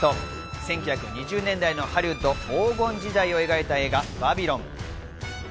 １９２０年代のハリウッド黄金時代を描いた映画『バビロン』。